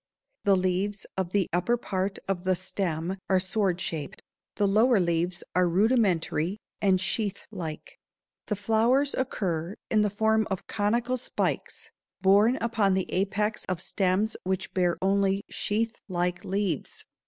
The leaves of the upper part of the stem are sword shaped; the lower leaves are rudimentary and sheath like. The flowers occur in the form of conical spikes borne upon the apex of stems which bear only sheath like leaves.